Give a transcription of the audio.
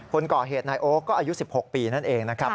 คนก่อเหตุนายโอ๊คก็อายุ๑๖ปีนั่นเองนะครับ